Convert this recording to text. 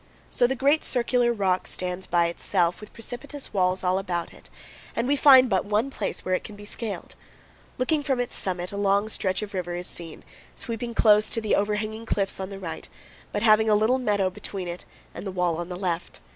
So the great circular rock stands by itself, with precipitous walls all about it, and we find but one place where it can be scaled. Looking from its summit, a long stretch of river is seen, sweeping close to the overhanging cliffs on the right, but having a little meadow between it and the wall on the left.